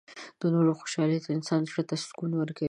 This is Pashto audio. • د نورو خوشحالي د انسان زړۀ ته سکون ورکوي.